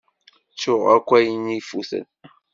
Ttuɣ akk ayen ifuten.